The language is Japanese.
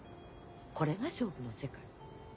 これが勝負の世界。